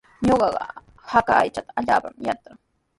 Ñuqaqa haka aychata allaapaami yatraa.